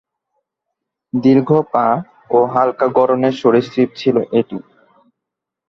দীর্ঘ পা ও হাল্কা গড়নের সরীসৃপ ছিল এটি।